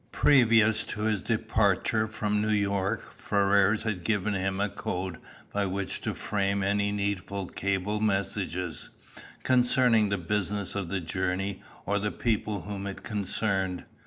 Previous to his departure from New York, Ferrars had given him a code by which to frame any needful cable messages, concerning the business of the journey, or the people whom it concerned.